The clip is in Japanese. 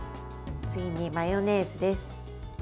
次にマヨネーズです。